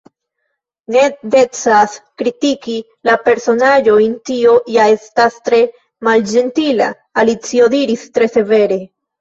"Ne decas kritiki la personaĵojn; tio ja estas tre malĝentila." Alicio diris tre severe.